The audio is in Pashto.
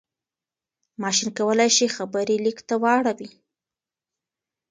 ماشين کولای شي خبرې ليک ته واړوي.